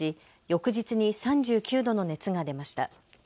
翌日に３９度の熱が出ました。